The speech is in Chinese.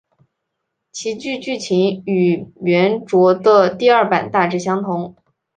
其剧剧情与原着的第二版大致相同。